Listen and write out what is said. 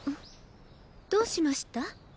どうしました？